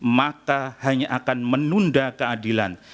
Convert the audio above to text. maka hanya akan menunda keadilan